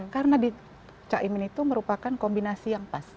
karena di cak imin itu merupakan kombinasi yang pas